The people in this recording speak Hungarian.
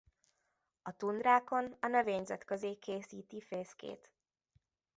A tundrákon a növényzet közé készíti fészkét.